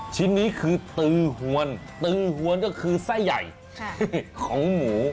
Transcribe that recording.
ชิ้นนี้คือตือหวนตือหวนก็คือไส้ใหญ่ของหมู